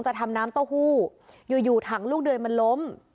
จะทำน้ำเต้าหู้อยู่ถังลูกเดยมันล้ม